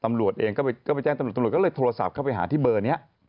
ตำรวจเองก็ไปแจ้งตำรวจตำรวจก็เลยโทรศัพท์เข้าไปหาที่เบอร์นี้